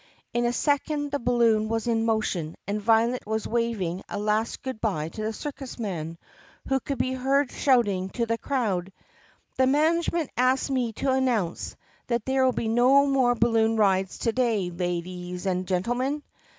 In a second the balloon was in motion and Violet was waving a last good by to the circus man, who could be heard shouting to the crowd: "The management asks me to announce that there will be no more balloon rides to day, la dees and gen nil min